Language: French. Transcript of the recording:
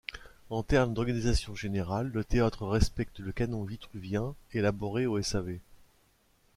En termes d'organisation générale, le théâtre respecte le canon vitruvien élaboré au s. av.